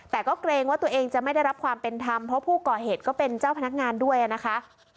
แต่ก็เกรงว่าตัวเองจะไม่ได้รับความเป็นธรรมเพราะผู้ก่อเหตุก็เป็นเจ้าพนักงานด้วยนะคะ